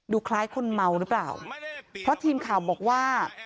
คล้ายคนเมาหรือเปล่าเพราะทีมข่าวบอกว่า